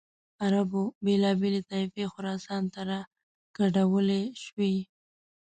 عربو بېلابېلې طایفې خراسان ته را کډوالې شوې.